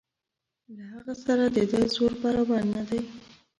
له هغه سره د ده زور برابر نه دی.